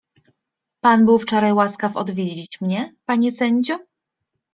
— Pan był wczoraj łaskaw odwiedzić mnie, panie sędzio?